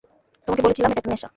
তোমাকে বলেছিলাম এটা একটা নেশা।